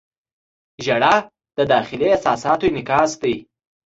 • ژړا د داخلي احساساتو انعکاس دی.